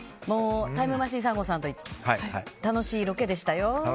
タイムマシーン３号さんと楽しいロケでした。